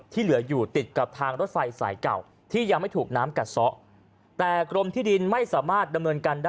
ที่เหลืออยู่ติดกับทางรถไฟสายเก่าที่ยังไม่ถูกน้ำกัดซะแต่กรมที่ดินไม่สามารถดำเนินการได้